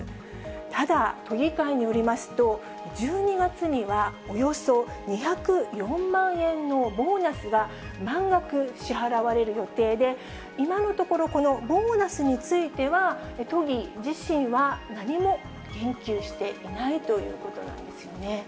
ただ、都議会によりますと、１２月にはおよそ２０４万円のボーナスが満額支払われる予定で、今のところ、このボーナスについては、都議自身は何も言及していないということなんですよね。